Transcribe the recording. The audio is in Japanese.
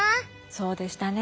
そうでしたね。